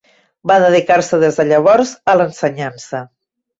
Va dedicar-se des de llavors a l'ensenyança.